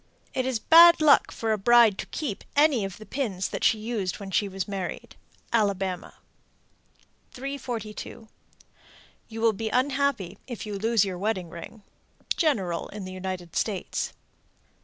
It is bad luck for a bride to keep any of the pins that she used when she was married. Alabama. 342. You will be unhappy if you lose your wedding ring. _General in the United States.